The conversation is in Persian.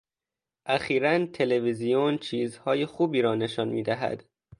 اخیرا تلویزیون چیزهای خوبی را نشان میدهد.